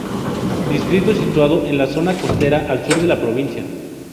Distrito situado en la zona costera al sur de la provincia.